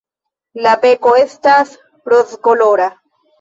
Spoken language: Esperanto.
La beko estas rozkolora.